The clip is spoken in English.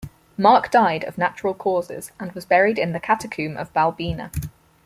Mark died of natural causes and was buried in the catacomb of Balbina.